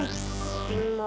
eh siapa ini